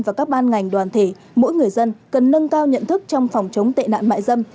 và các ban ngành đoàn thể mỗi người dân cần nâng cao nhận thức trong phòng chống tệ nạn mại dâm